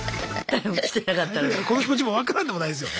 だからこの気持ちも分からんでもないですよ。